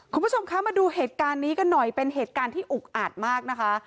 คุณผู้ชมคะมาดูเหตุการณ์นี้กันหน่อยเป็นเหตุการณ์ที่อุกอาดมากนะคะ